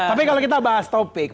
tapi kalau kita bahas topik